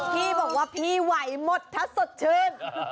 พี่บอกว่าพี่ไหวหมดถ้าสดชื่น